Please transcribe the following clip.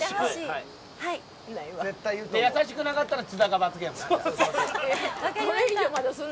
優しくなかったら津田が罰ゲームな。